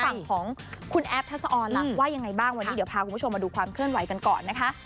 ฝั่งของคุณแอฟทัศออนล่ะว่ายังไงบ้างวันนี้เดี๋ยวพาคุณผู้ชมมาดูความเคลื่อนไหวกันก่อนนะคะ